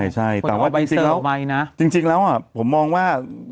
ใช่แต่ว่าจริงแล้วผมมองว่า